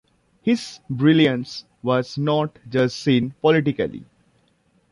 His brilliance was not just seen politically.